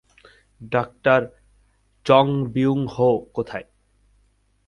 ডাঃ Jung Byung-ho কোথায়?